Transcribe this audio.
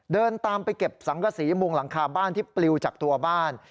เดินตามไปเก็บสังกษีมุงหลังคาบ้านที่ปลิวจากตัวบ้าน